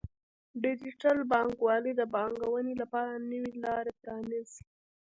ډیجیټل بانکوالي د پانګونې لپاره نوې لارې پرانیزي.